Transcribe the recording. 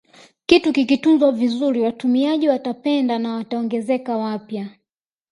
Kitu kikitunzwa vizuri watumiaji watapenda na wataongezeka wapya